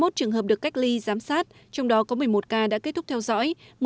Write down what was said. hai mươi một trường hợp được cách ly giám sát trong đó có một mươi một ca đã kết thúc theo dõi